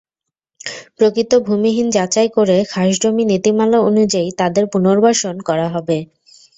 প্রকৃত ভূমিহীন যাচাই করে খাসজমি নীতিমালা অনুযায়ী তাদের পুনর্বাসন করা হবে।